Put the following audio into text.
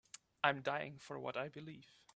I'm dying for what I believe.